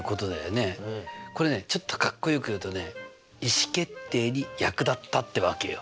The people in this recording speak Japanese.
これねちょっとかっこよく言うとね意思決定に役立ったってわけよ。